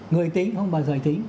người tính không bao giờ tính